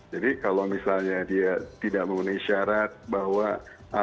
jadi kalau misalnya dia tidak memenuhi syarat bahwa anak perusahaan tidak bisa diatur